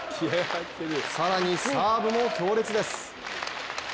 更にサーブも強烈です。